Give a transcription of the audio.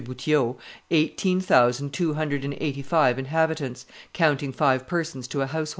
Boutiot, eighteen thousand two hundred and eighty five inhabitants, counting five persons to a household.